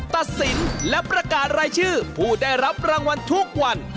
ตัดสินและประกาศรายชื่อผู้ได้รับรางวัลทุกวัน